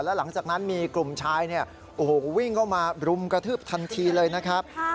แล้วหลังจากนั้นมีกลุ่มชายเนี่ยโอ้โหวิ่งเข้ามารุมกระทืบทันทีเลยนะครับ